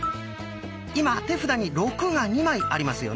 今手札に「６」が２枚ありますよね。